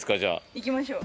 行きましょう。